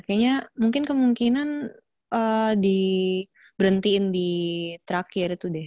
kayaknya mungkin kemungkinan di berhentiin di terakhir itu deh